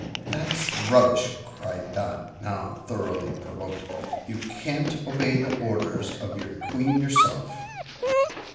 "That's rubbish!" cried Dot, now thoroughly provoked. "You can't obey the orders of your Queen yourself."